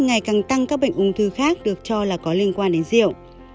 ngày càng tăng các bệnh ung thư khác được cho là có liên quan đến rượu